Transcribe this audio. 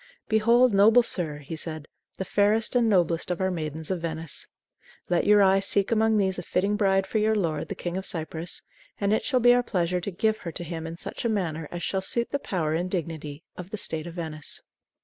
"Behold, noble sir," he said, "the fairest and noblest of our maidens of Venice. Let your eye seek among these a fitting bride for your lord, the King of Cyprus, and it shall be our pleasure to give her to him in such a manner as shall suit the power and dignity of the State of Venice."